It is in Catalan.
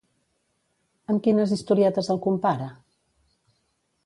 Amb quines historietes el compara?